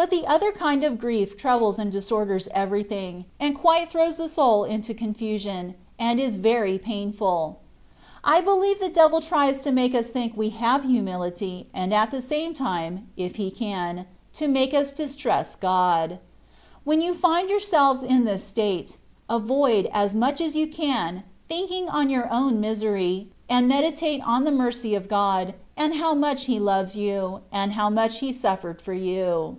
But the other kind of grief troubles and disorders everything, and quite throws the soul into confusion, and is very pain ful. I believe the devil tries to make us think we have humility, and at the same time (if he can) to make us distrust God. When you find yourselves in this state, avoid, as much as you can, thinking on your own misery, and meditate on the mercy of God, and how much He loves you, and how much He suffered for you.